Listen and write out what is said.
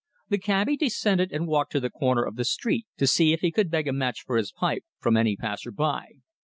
The cabby descended and walked to the corner of the street to see if he could beg a match for his pipe from any passer by.